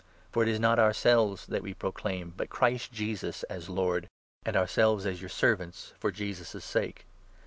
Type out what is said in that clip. (For it is not ourselves that we 5 proclaim, but Christ Jesus, as Lord, and ourselves as your servants for Jesus' sake.)